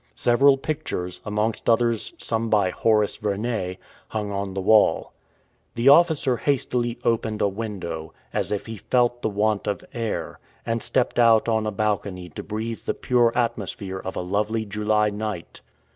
Several pictures, amongst others some by Horace Vernet, hung on the wall. The officer hastily opened a window, as if he felt the want of air, and stepped out on a balcony to breathe the pure atmosphere of a lovely July night.